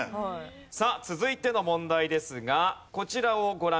さあ続いての問題ですがこちらをご覧ください。